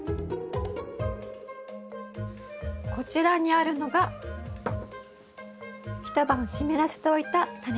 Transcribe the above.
こちらにあるのが一晩湿らせておいたタネですね。